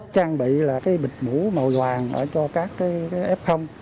trang bị là cái bịch mũ màu vàng cho các ép hông